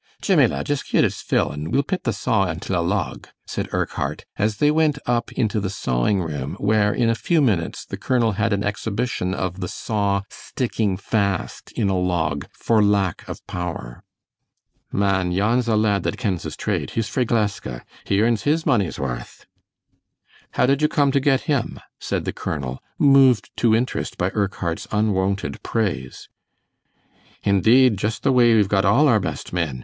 Jemmie, lad, just gie't its fill an' we'll pit the saw until a log," said Urquhart, as they went up into the sawing room where, in a few minutes, the colonel had an exhibition of the saw sticking fast in a log for lack of power. "Man, yon's a lad that kens his trade. He's frae Gleska. He earns his money's warth." "How did you come to get him?" said the colonel, moved to interest by Urquhart's unwonted praise. "Indeed, just the way we've got all our best men.